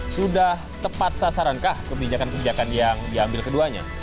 sudah tepat sasarankah kebijakan kebijakan yang diambil keduanya